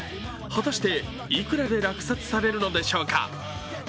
果たして、いくらで落札されるのでしょうか。